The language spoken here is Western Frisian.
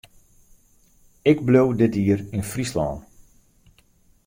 Ik bliuw dit jier yn Fryslân.